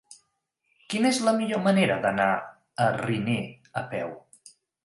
Quina és la millor manera d'anar a Riner a peu?